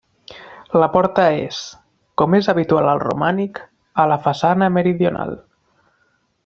La porta és, com és habitual al romànic, a la façana meridional.